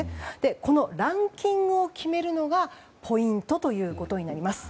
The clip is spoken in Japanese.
このランキングを決めるのがポイントということになります。